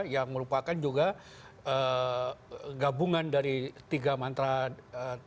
yang merupakan juga gabungan dari tiga mantra tni